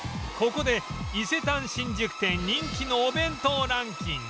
ここで伊勢丹新宿店人気のお弁当ランキング